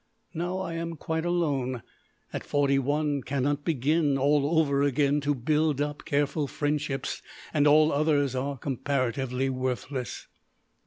Now I am quite alone. At forty one cannot begin all over again to build up careful friendships, and all others are comparatively worthless.